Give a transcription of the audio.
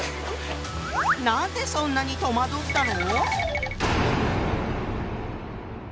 なんでそんなに戸惑ったの？